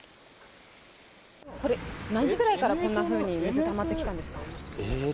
何時ぐらいからこんなふうにたまってきたんですか。